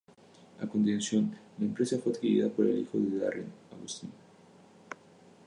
A continuación, la empresa fue adquirida por el hijo de Darren, Augustine.